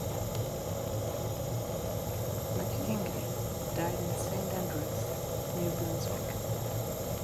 McKeagney died in Saint Andrews, New Brunswick.